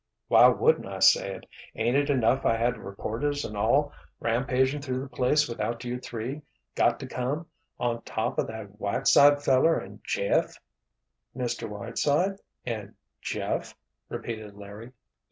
"Why wouldn't I say it? Ain't it enough I had reporters an' all rampagin' through the place without you three got to come, on top o' that Whiteside feller and Jeff——" "Mr. Whiteside—and Jeff?" repeated Larry.